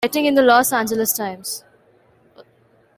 Witing in the "Los Angeles Times".